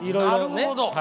なるほど！